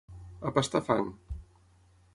A pastar fang.